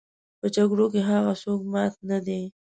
په جګړو کې هغه څوک مات نه دي.